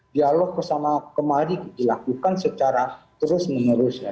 dialog kemari dilakukan secara terus menerus ya